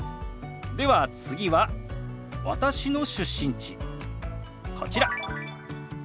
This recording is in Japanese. では次は私の出身地こちら。